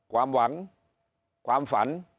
ความหวังความฝัน